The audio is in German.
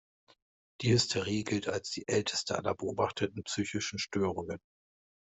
Die Hysterie gilt als die älteste aller beobachteten psychischen Störungen.